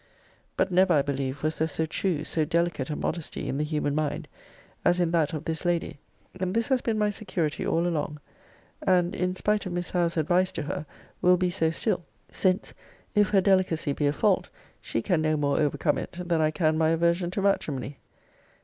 But never, I believe, was there so true, so delicate a modesty in the human mind as in that of this lady. And this has been my security all along; and, in spite of Miss Howe's advice to her, will be so still; since, if her delicacy be a fault, she can no more overcome it than I can my aversion to matrimony.